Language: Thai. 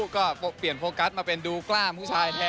ก็เปลี่ยนโฟกัสมาเป็นดูกล้ามผู้ชายแทน